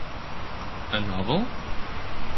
A novel?